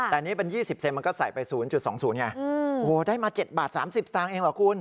แต่นี่เป็น๒๐เซนมันก็ใส่ไป๐๒๐ไงโอ้โหได้มา๗บาท๓๐สตางค์เองเหรอคุณ